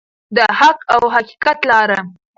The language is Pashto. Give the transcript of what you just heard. د حق او حقیقت لاره.